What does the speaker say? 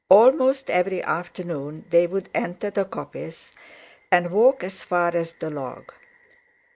Almost every afternoon they would enter the coppice, and walk as far as the log.